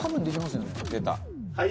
はい！